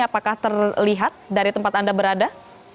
apakah terlihat dari tempat anda berada